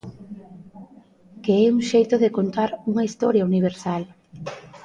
Que é un xeito de contar unha historia universal.